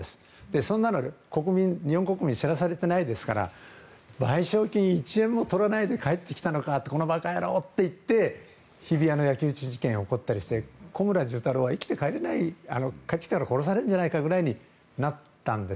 そうなれば、日本国民に知らされてないですから賠償金を１円も取らないで帰ってきたのか馬鹿野郎！となって日比谷の焼き討ち事件が起きたりして怒ったりして小村寿太郎は生きて帰れない帰ってきたら殺されるんじゃないかくらいになったんです。